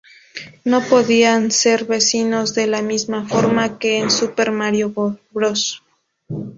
No podían ser vencidos de la misma forma que en "Super Mario Bros.